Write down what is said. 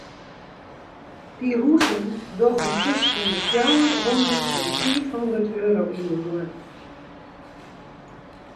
Dy huzen dogge tusken de fjouwer hondert en fiif hondert euro yn de moanne.